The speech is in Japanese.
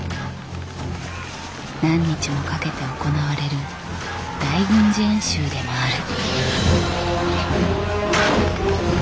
何日もかけて行われる大軍事演習でもある。